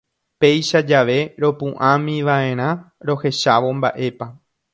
Péicha jave ropu'ãmiva'erã rohechávo mba'épa.